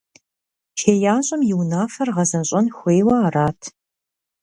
ХеящӀэм и унафээр гъэзэщӀэн хуейуэ арат.